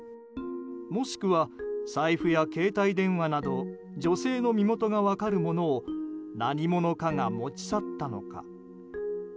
もしくは財布や携帯電話など女性の身元が分かるものを何者かが持ち去ったのか。